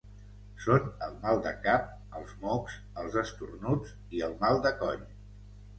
Són el mal de cap, els mocs, els esternuts i el mal de coll.